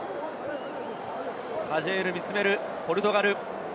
タジェール見つめる、ポルトガル。